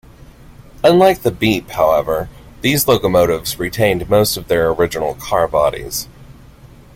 Unlike the "Beep", however, these locomotives retained most of their original carbodies.